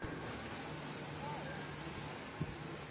Wek dhawo yawa.